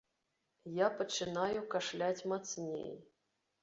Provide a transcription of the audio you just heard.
Я пачынаю кашляць мацней.